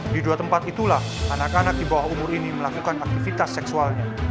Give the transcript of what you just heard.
di dua tempat itulah anak anak di bawah umur ini melakukan aktivitas seksualnya